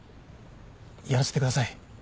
やらせてください。